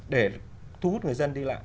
để thu hút người dân đi lại